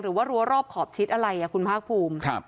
หรือว่ารั้วรอบขอบชิดอะไรคุณภาคภูมิ